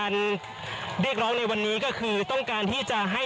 เรียกร้องในวันนี้ก็คือต้องการที่จะให้